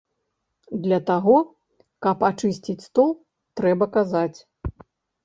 Для таго, каб ачысціць стол, трэба казаць.